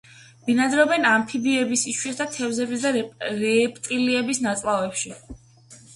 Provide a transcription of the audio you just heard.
ბინადრობენ ამფიბიების, იშვიათად თევზების და რეპტილიების ნაწლავებში.